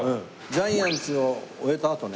ジャイアンツを終えたあとね